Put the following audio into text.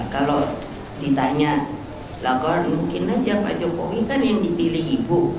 kalau ditanya mungkin saja pak jokowi yang dipilih ibu